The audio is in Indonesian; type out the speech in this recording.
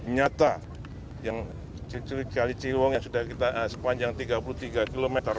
nyata yang kali ciliwung yang sudah kita sepanjang tiga puluh tiga km